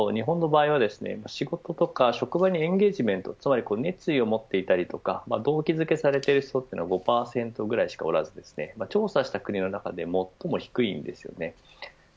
例えばＧａｌｌｏｐ社の調査によると日本の場合は仕事とか職場にエンゲージメント熱意を持っていたりとか動機づけされている人は５％ぐらいしかおらず調査した国の中で最も低いんです。